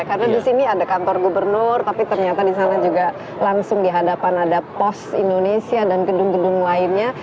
karena di sini ada kantor gubernur tapi ternyata di sana juga langsung di hadapan ada pos indonesia dan gedung gedung lainnya